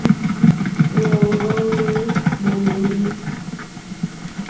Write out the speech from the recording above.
Hwèɔ́ŋɡɔ́ hwé !mólélí.